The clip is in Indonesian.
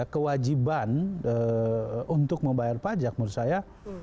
kewajiban untuk membayar pajak menurut saya